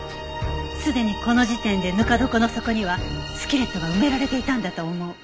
すでにこの時点でぬか床の底にはスキレットが埋められていたんだと思う。